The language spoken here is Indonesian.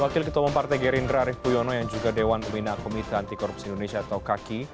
wakil ketua pempartai gerindra arief puyono yang juga dewan uminakomite antikorupsi indonesia atau kaki